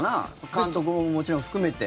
監督ももちろん含めて。